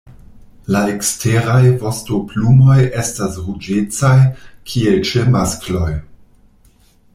La eksteraj vostoplumoj estas ruĝecaj, kiel ĉe maskloj.